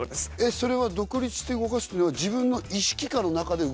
それは独立して動かすというのは自分の意識下の中で動かせる？